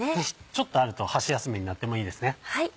ちょっとあると箸休めになってもいいですね。